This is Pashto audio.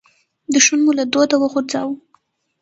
دوښمن مو له دوده وغورځاوو.